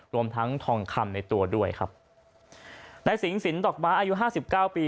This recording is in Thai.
รวมทั้งทองคำในตัวด้วยครับในสิงศิลปดอกไม้อายุห้าสิบเก้าปี